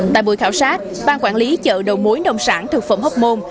tại buổi khảo sát ban quản lý chợ đầu mối nông sản thực phẩm hóc môn